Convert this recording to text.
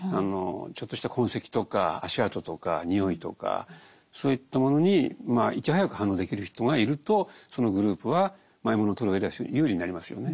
ちょっとした痕跡とか足跡とか臭いとかそういったものにいち早く反応できる人がいるとそのグループは獲物を取るうえでは非常に有利になりますよね。